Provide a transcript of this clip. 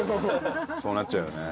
そうなっちゃうよね。